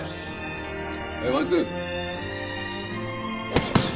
よし！